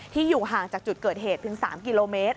อยู่ห่างจากจุดเกิดเหตุเพียง๓กิโลเมตร